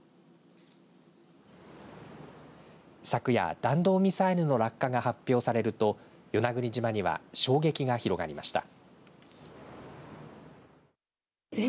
昨夜、弾道ミサイルの落下が発表されると与那国島には衝撃が広がりました。